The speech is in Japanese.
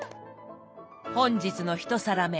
本日の１皿目。